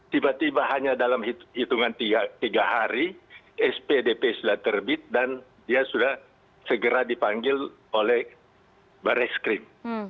tiba tiba hanya dalam hitungan tiga hari spdp sudah terbit dan dia sudah segera dipanggil oleh barreskrim